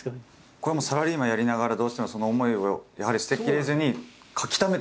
これはサラリーマンやりながらどうしてもその思いをやはり捨てきれずに書きためてたんですか？